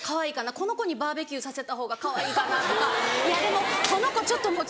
この子にバーベキューさせた方がかわいいかな？」とか「いやでもこの子ちょっと」。